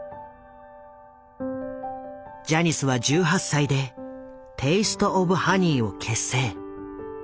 ジャニスは１８歳でテイスト・オブ・ハニーを結成。